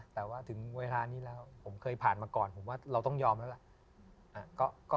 แต่ว่าถึงเวลานี้แล้วผมเคยผ่านมาก่อนผมว่าเราต้องยอมแล้วล่ะ